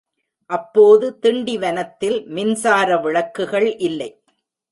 அப்போது திண்டிவனத்தில் மின்சார விளக்குகள் இல்லை.